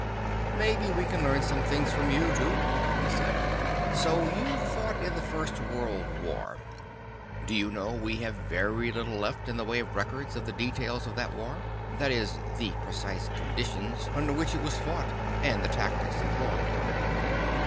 "Maybe we can learn some things from you, too," he said. "So you fought in the First World War. Do you know, we have very little left in the way of records of the details of that war, that is, the precise conditions under which it was fought, and the tactics employed.